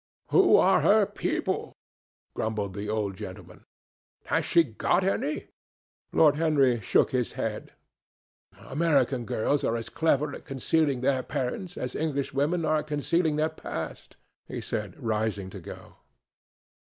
"Who are her people?" grumbled the old gentleman. "Has she got any?" Lord Henry shook his head. "American girls are as clever at concealing their parents, as English women are at concealing their past," he said, rising to go.